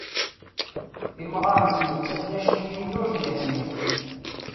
Imɣaren ttmettaten acku yiwen ur ten-iḥemmel..